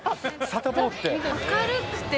サタボーって。